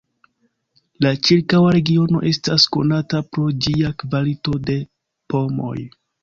La ĉirkaŭa regiono estas konata pro ĝia kvalito de pomoj.